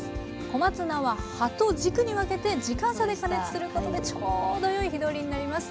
小松菜は葉と軸に分けて時間差で加熱することでちょうどよい火通りになります。